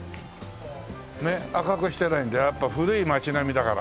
ねっ赤くしてないんだよやっぱ古い町並みだから。